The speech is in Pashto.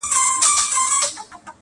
انګولاوي به خپرې وې د لېوانو٫